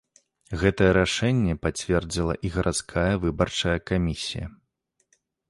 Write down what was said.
Гэтае рашэнне пацвердзіла і гарадская выбарчая камісія.